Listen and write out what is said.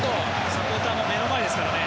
サポーターの目の前ですからね。